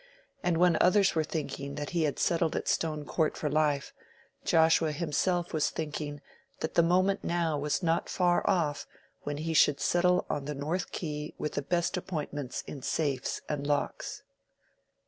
And when others were thinking that he had settled at Stone Court for life, Joshua himself was thinking that the moment now was not far off when he should settle on the North Quay with the best appointments in safes and locks.